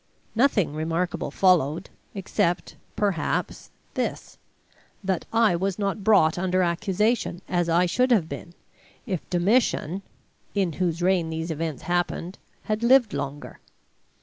Nothing remarkable followed, except, perhaps, this, that I was not brought under accusation, as I should have been, if Domitian (in whose reign these events happened) had lived longer.